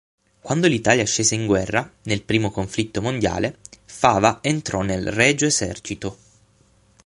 Quando l'Italia scese in guerra nel primo conflitto mondiale, Fava entrò nel Regio Esercito.